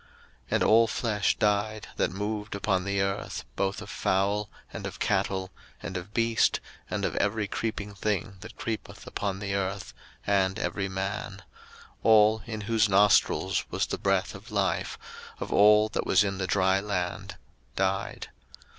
01:007:021 And all flesh died that moved upon the earth, both of fowl, and of cattle, and of beast, and of every creeping thing that creepeth upon the earth, and every man: 01:007:022 All in whose nostrils was the breath of life, of all that was in the dry land, died.